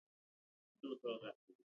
هوښیاري په مطالعې کې ده